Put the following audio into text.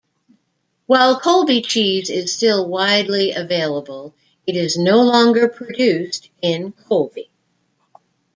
While Colby cheese is still widely available, it is no longer produced in Colby.